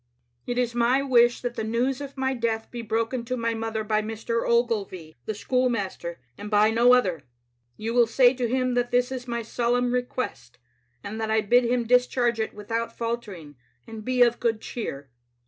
" It is my wish that the news of my death be broken to my mother by Mr. Ogilvy, the schoolmaster, and by no other. You will say to him that this is my solemn request, and that I bid him discharge it without falter ing and be of good cheer.